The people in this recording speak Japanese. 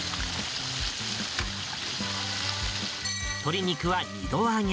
鶏肉は二度揚げ。